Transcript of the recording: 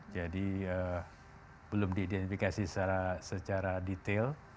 jadi belum diidentifikasi secara detail